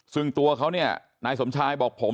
ซึ่งตัวเขาเนี่ยนายสมชายบอกผม